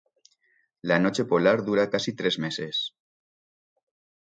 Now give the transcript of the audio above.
La noche polar dura casi tres meses.